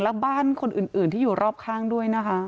และบ้านคนอื่นที่อยู่รอบข้างด้วยนะคะ